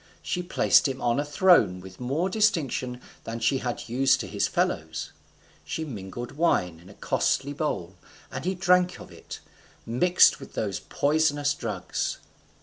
She placed him on a throne with more distinction than she had used to his fellows; she mingled wine in a costly bowl, and he drank of it, mixed with those poisonous drugs.